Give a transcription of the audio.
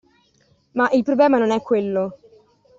Ma il problema non è quello.